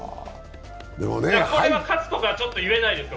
これは喝とか、ちょっと言えないです。